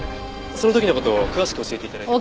その時の事を詳しく教えて頂いても。